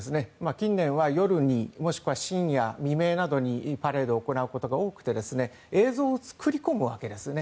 近年は夜にもしくは深夜未明などにパレードを行うことが多くて映像を作り込むわけです。